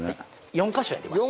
４カ所やります。